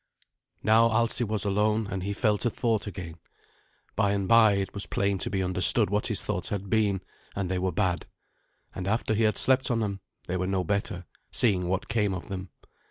Now Alsi was alone, and he fell to thought again. By and by it was plain to be understood what his thoughts had been, and they were bad. And after he had slept on them they were no better, seeing what came of them.